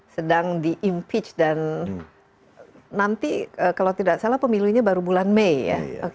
sedang di impeach dan nanti kalau tidak salah pemilunya baru bulan mei ya